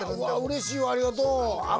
うれしいわありがとう。